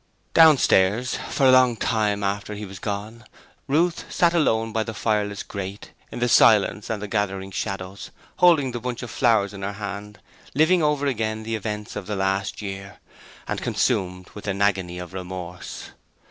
Downstairs, for a long time after he was gone, Ruth sat alone by the fireless grate, in the silence and the gathering shadows, holding the bunch of flowers in her hand, living over again the events of the last year, and consumed with an agony of remorse.